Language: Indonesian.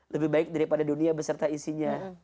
lebih baik daripada dunia beserta isinya